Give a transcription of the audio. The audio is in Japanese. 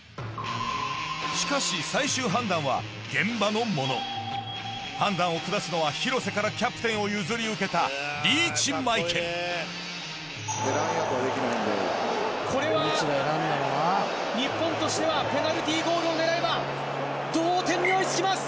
しかし現場のもの判断を下すのは廣瀬からキャプテンを譲り受けたこれは日本としてはペナルティーゴールを狙えば同点に追い付きます。